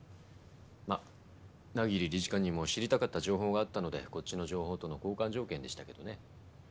まあ百鬼理事官にも知りたかった情報があったのでこっちの情報との交換条件でしたけどね。